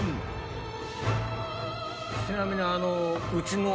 ちなみにあの。